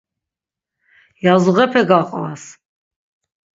Yazuğepe gaqvas!